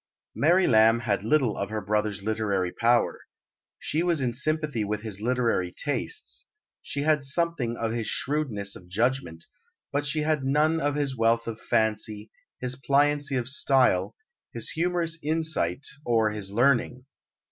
Mary Lamb had little of her brother's literary power. She was in sympathy with his literary tastes, she had something of his shrewdness of judgment, but she had none of his wealth of fancy, his pliancy of style, his humorous insight, or his learning.